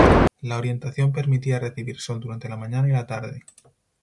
La orientación permitía recibir sol durante la mañana y la tarde.